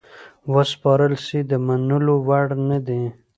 وسپارل سي د منلو وړ نه دي.